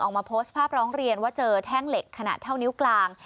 ออกมาโพสต์ภาพร้องเรียนว่าเจอแท่งเหล็กขนาดเท่านิ้วกลาง